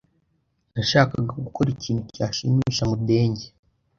Nashakaga gukora ikintu cyashimisha Mudenge.